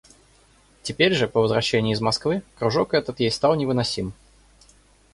Теперь же, по возвращении из Москвы, кружок этот ей стал невыносим.